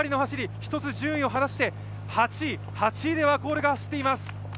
１つ順位を離して、８位でワコールが走っています。